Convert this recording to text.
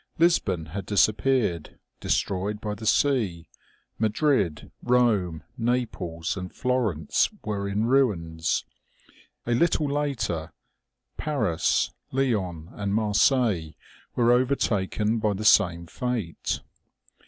Lisbon had disappeared, destroyed by the sea ; Madrid, Rome, Naples and Florence were in ruins. A little later, Paris, Lyons and Marseilles were overtaken by the same fate.